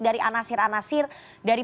dari anasir anasir dari